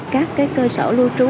các cái cơ sở lưu trú